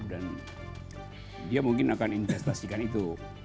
dan dia mungkin akan investasikan itu